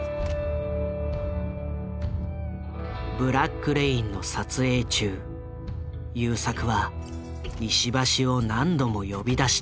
「ブラック・レイン」の撮影中優作は石橋を何度も呼び出した。